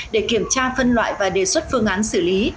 để kiểm tra phân loại và đề xuất phương án xử lý